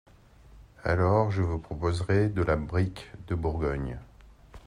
Alors je vous proposerai de la brique de Bourgogne.